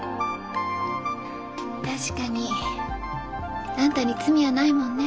確かにあんたに罪はないもんね。